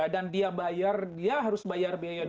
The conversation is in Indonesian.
dan dia harus bayar biaya dulu